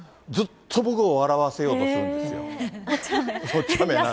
ずっと僕を笑わせようとするんでおちゃめ。